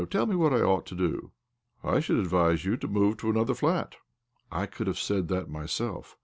Tell me what I ought to do." " I should advise you to move to another flat." " I could have said that myself."